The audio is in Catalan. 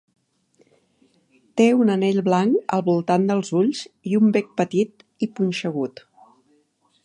Té un anell blanc al voltant dels ulls i un bec petit i punxegut.